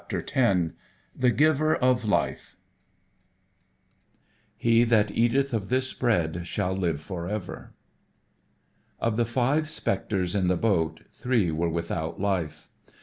_] X The Giver of Life "HE THAT EATETH OF THIS BREAD SHALL LIVE FOREVER" X The Giver of Life Of the five specters in the boat three were without life.